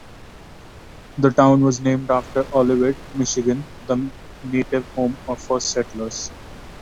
The town was named after Olivet, Michigan, the native home of first settlers.